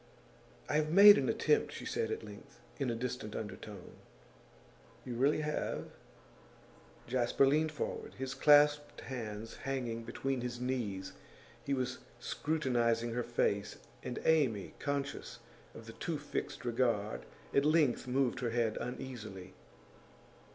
'I have made an attempt,' she said at length, in a distant undertone. 'You really have?' Jasper leaned forward, his clasped hands hanging between his knees. He was scrutinising her face, and Amy, conscious of the too fixed regard, at length moved her head uneasily.